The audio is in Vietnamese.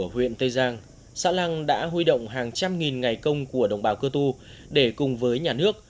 huyện tây giang xã lăng đã huy động hàng trăm nghìn ngày công của đồng bào cơ tu để cùng với nhà nước